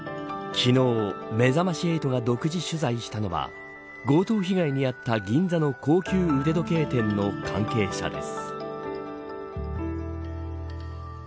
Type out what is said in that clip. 昨日めざまし８が独自取材したのは強盗被害に遭った、銀座の高級腕時計店の関係者です。